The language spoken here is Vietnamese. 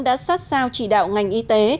đã sát sao chỉ đạo ngành y tế